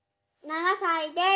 「７歳です。